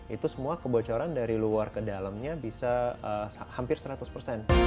itu semua kebocoran dari luar ke dalamnya bisa hampir seratus persen